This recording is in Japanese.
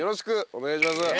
お願いします！